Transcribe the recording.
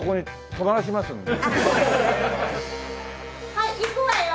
はいいくわよ！